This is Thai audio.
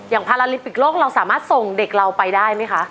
พาราลิมปิกโลกเราสามารถส่งเด็กเราไปได้ไหมคะ